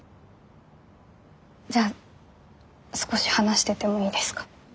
じゃあ少し話しててもいいですか？